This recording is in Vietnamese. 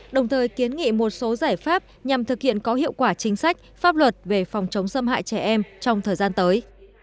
đồng thời kiến nghị một số giải pháp nhằm thực hiện có hiệu quả chính sách pháp luật về phòng chống xâm hại trẻ em trong thời gian tới